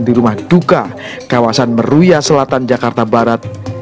di rumah duka kawasan meruya selatan jakarta barat